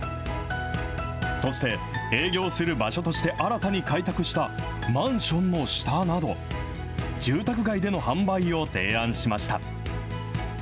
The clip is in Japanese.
そして、営業する場所として新たに開拓したマンションの下など、住宅街での販売を提案しました。